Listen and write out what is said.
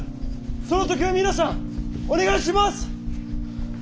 その時は皆さんお願いします！